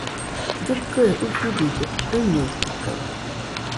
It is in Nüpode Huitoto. Llɨkɨe usibide, rɨñeitɨkaɨ